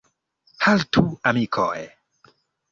Haltu, amikoj!